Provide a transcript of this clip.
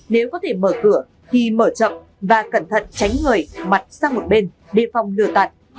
nếu có thể mở cửa thì mở chậm và cẩn thận tránh người mặt sang một bên để phòng lửa tạt